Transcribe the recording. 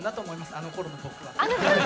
あのころの僕は。